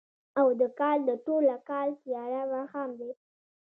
او د کال، د ټوله کال تیاره ماښام دی